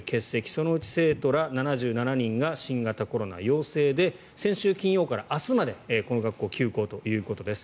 そのうち生徒ら７７人が新型コロナ陽性で先週金曜から明日までこの学校、休校ということです。